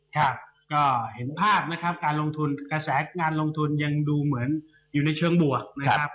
ครับก็เห็นภาพนะครับการลงทุนกระแสงานลงทุนยังดูเหมือนอยู่ในเชิงบวกนะครับ